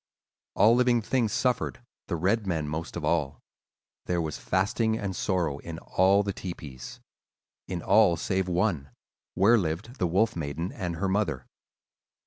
All living things suffered, the red men most of all; there was fasting and sorrow in all the tepees—in all save one, where lived the Wolf Maiden and her mother.